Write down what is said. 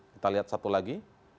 kita lihat satu lagi